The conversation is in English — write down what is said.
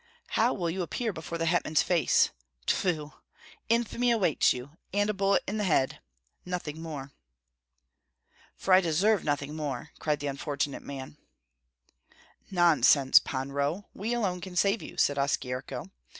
"How will you appear before the hetman's face? Tfu! Infamy awaits you, and a bullet in the head, nothing more." "For I deserve nothing more!" cried the unfortunate man. "Nonsense, Pan Roh! We alone can save you," said Oskyerko.